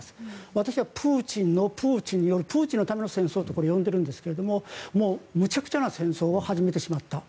私は、プーチンのプーチンによるプーチンのための戦争とこれを読んでいるんですがもうむちゃくちゃな戦争を始めてしまった。